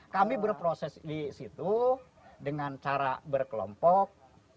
kami berproses di situ dengan cara berkelompok